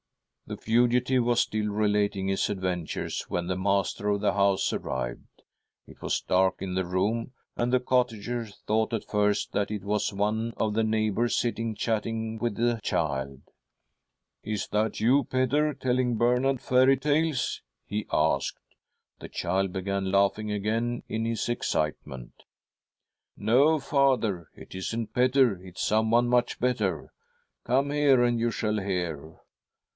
" The fugitive was still relating his adventures when the master of the house arrived. It was dark in the room, and the cottager thought at first that it was one" of the neighbours sitting chatting with the child. 'Is that you, Petter, telling ■ Bernard fairy tales ?' he asked. The child began :i ?!"; 'i ■:■•■•.. THE STRUGGLE OF A SOUL 155 laughing again in his excitement. ' No, father, it isn't Petter; it's someone much better. Come here and you shall hear.'